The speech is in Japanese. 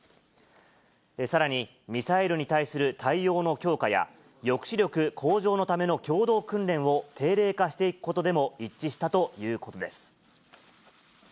さらに、ミサイルに対する対応の強化や、抑止力向上のための共同訓練を定例化していくことでも一致したということです。